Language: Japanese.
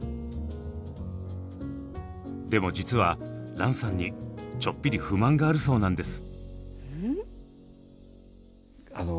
でも実は蘭さんにちょっぴり不満があるそうなんです。